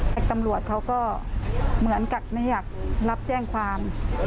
แต่ตำรวจเขาก็เหมือนกับไม่อยากรับแจ้งความ